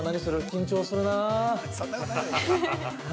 緊張するなあ。